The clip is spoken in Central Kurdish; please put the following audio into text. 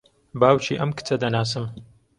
باوکی ئەم کچە دەناسم.